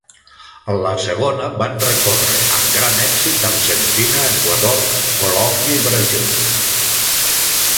En la segona van recórrer amb gran èxit Argentina, Equador, Colòmbia i Brasil.